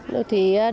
đầu xuân năm mới